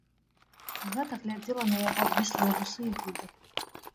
Агата глядзела на яго абвіслыя вусы і губы.